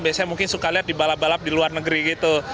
biasanya mungkin suka lihat di balap balap di luar negeri gitu